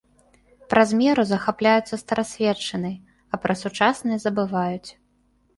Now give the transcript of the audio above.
Праз меру захапляюцца старасветчынай, а пра сучаснае забываюць.